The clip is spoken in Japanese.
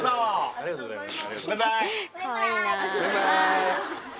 ありがとうございます。